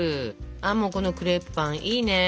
ああもうこのクレープパンいいね！